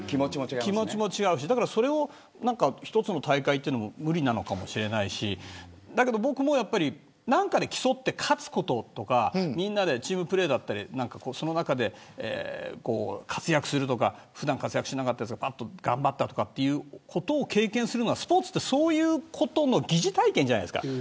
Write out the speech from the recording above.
気持ちも違うしそれを１つの大会というのも無理なのかもしれないし僕もやっぱり何かで競って勝つこととかチームプレーだったりその中で活躍するとか普段、活躍しなかった人が頑張ったとかそういうことを経験するのはスポーツってそういうことの疑似体験じゃないですか。